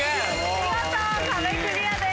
見事壁クリアです。